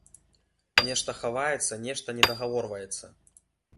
Нешта хаваецца, нешта недагаворваецца.